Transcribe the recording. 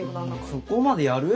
そこまでやる？